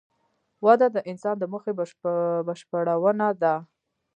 وده د انسان د موخې بشپړونه ده.